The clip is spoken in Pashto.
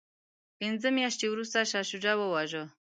پنځه میاشتې وروسته شاه شجاع وواژه.